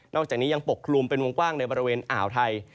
อกจากนี้ยังปกคลุมเป็นวงกว้างในบริเวณอ่าวไทย